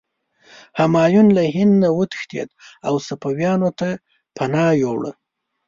همایون له هند نه وتښتېد او صفویانو ته پناه یووړه.